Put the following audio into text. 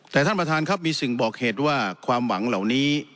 แต่ท่านประธานครับมีสิ่งบอกเหตุว่าความหวังเหล่านี้